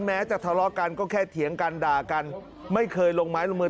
แม้จะทะเลาะกันก็แค่เถียงกันด่ากันไม่เคยลงไม้ลงมือ